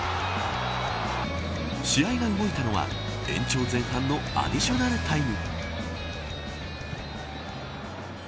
試合が動いたのは延長前半のアディショナルタイム。